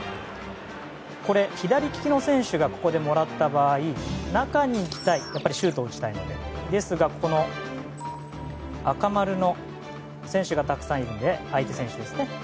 これ、左利きの選手がここでもらった場合中に行きたいやっぱりシュートを打ちたいのでですが、赤丸の選手がたくさんいるので相手選手ですね。